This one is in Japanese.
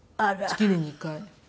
月に２回。